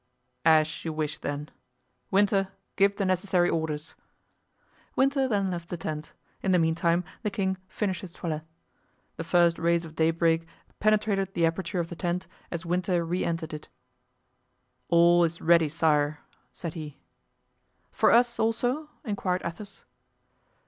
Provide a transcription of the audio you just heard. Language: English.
"As you wish, then. Winter, give the necessary orders." Winter then left the tent; in the meantime the king finished his toilet. The first rays of daybreak penetrated the aperture of the tent as Winter re entered it. "All is ready, sire," said he. "For us, also?" inquired Athos.